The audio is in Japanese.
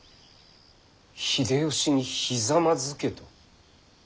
秀吉にひざまずけと？